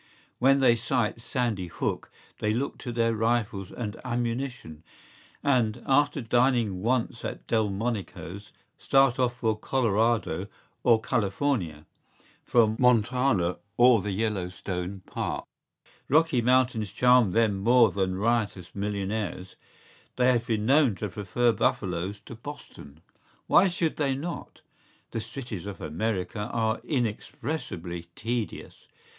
¬Ý When they sight Sandy Hook they look to their rifles and ammunition; and, after dining once at Delmonico’s, start off for Colorado or California, for Montana or the Yellow Stone Park.¬Ý Rocky Mountains charm them more than riotous millionaires; they have been known to prefer buffaloes to Boston.¬Ý Why should they not?¬Ý The cities of America are inexpressibly tedious.